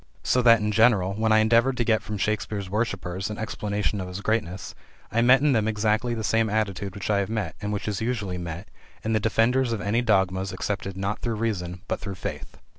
So that, in general, when I endeavored to get from Shakespeare's worshipers an explanation of his greatness, I met in them exactly the same attitude which I have met, and which is usually met, in the defenders of any dogmas accepted not through reason, but through faith.